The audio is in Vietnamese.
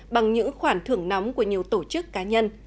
bằng những khoản thưởng nóng của nhiều tổ chức cá nhân